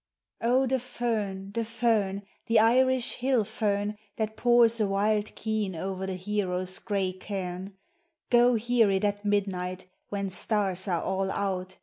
Oh, the fern, the fern, the Irish hill fern, That pours a wild keen o'er the hero's gray cairn, Go hear it at midnight, when stars are all out.